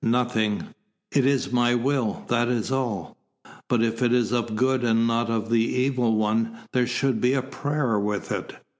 "Nothing. It is my will. That is all." "But if it is of good, and not of the Evil One, there should be a prayer with it.